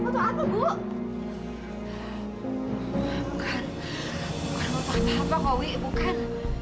bukan bukan foto apa kok wih bukan